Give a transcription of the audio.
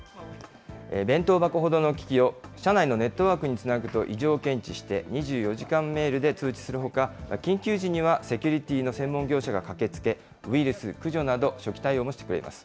弁当箱ほどの機器を社内のネットワークにつなぐと異常を検知して、２４時間メールで通知するほか、緊急時にはセキュリティーの専門業者が駆けつけ、ウイルス駆除など、初期対応もしてくれます。